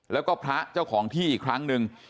แล้วก็พระเจ้าของที่อีกครั้งหนึ่ง